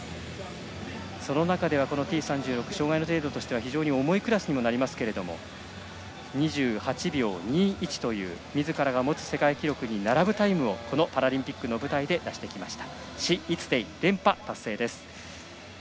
その中ではＴ３６障がいの程度としては非常に重いクラスですが２８秒２１というみずからが持つ世界記録に並ぶタイムをこのパラリンピックの舞台で出してきました。